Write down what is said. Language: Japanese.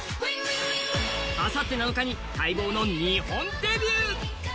あさって７日に待望の日本デビュー。